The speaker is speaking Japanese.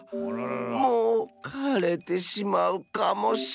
もうかれてしまうかもしれん。